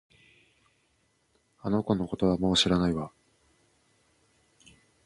あの子のことはもう知らないわ